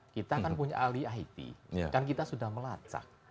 kita kan punya ahli it kan kita sudah melacak